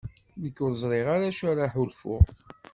Nekk ur ẓriɣ ara acu ara ḥulfuɣ.